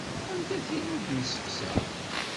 Anta tin ur d-nesteqsa.